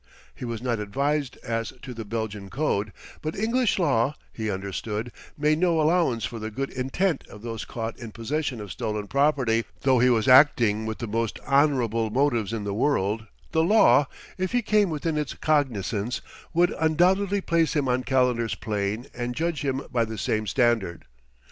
He was not advised as to the Belgian code, but English law, he understood, made no allowance for the good intent of those caught in possession of stolen property; though he was acting with the most honorable motives in the world, the law, if he came within its cognizance, would undoubtedly place him on Calendar's plane and judge him by the same standard.